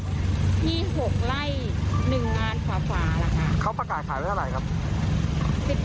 ขายที่หลับวัดหลวงแข้งที่อยู่ของแก